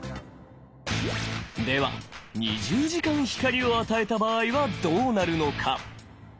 では２０時間光を与えた場合はどうなるのか。